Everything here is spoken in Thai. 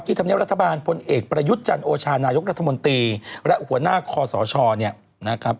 ที่ทำแนวรัฐบาลพลเอกพระยุทธจันโอชานายกรรฟ์หัวหน้าค่อสรศร